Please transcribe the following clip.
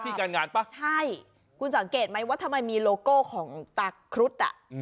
การงานป่ะใช่คุณสังเกตไหมว่าทำไมมีโลโก้ของตาครุฑอ่ะ